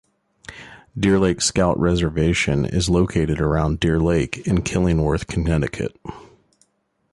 Deer Lake Scout Reservation is located around Deer Lake in Killingworth, Connecticut.